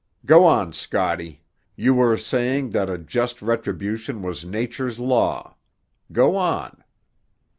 Go on, Scotty; you were saying that a just retribution was Nature's law. Go on."